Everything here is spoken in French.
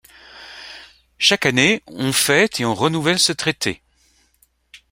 Chaque année, on fête et on renouvelle ce traité.